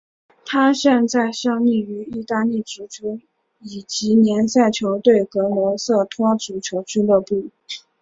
他现在效力于意大利足球乙级联赛球队格罗瑟托足球俱乐部。